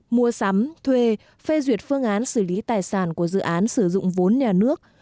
mua sắm thuê phê duyệt phương án xử lý tài sản của dự án sử dụng vốn nhà nước